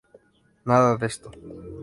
Nada de esto.